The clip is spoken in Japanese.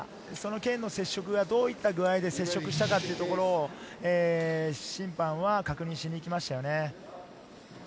剣の接触がどういった具合で接触したかというところを審判は確認しに行きましたね。